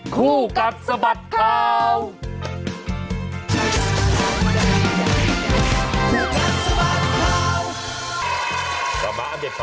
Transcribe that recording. คู่กัดสะบัดข่าว